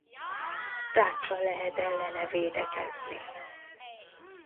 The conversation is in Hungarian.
Ráccsal lehet ellene védekezni.